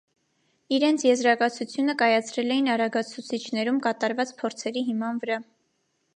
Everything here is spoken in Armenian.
Իրենց եզրակացությունը կայացրել էին արագացուցիչներում կատարված փորձերի հիման վրա։